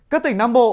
các tỉnh nam bộ